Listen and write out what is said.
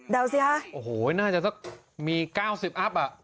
ด่าวสิค่ะโอ้โหน่าจะมี๙๐อัพอะ